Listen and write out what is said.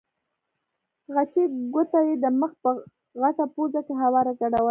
خچۍ ګوته یې د مخ په غټه پوزه کې هواره ګډوله.